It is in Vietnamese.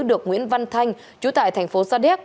được nguyễn văn thanh chú tại thành phố sa điếc